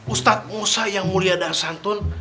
ustadz musa yang mulia dan santun